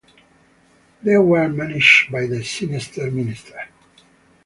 They were managed by The Sinister Minister.